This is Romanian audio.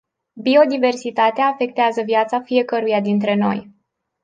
Biodiversitatea afectează viața fiecăruia dintre noi.